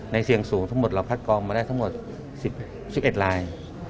เสี่ยงสูงทั้งหมดเราคัดกองมาได้ทั้งหมด๑๑ลาย